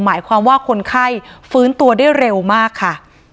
หมายความว่าคนไข้ฟื้นตัวได้เร็วมากค่ะ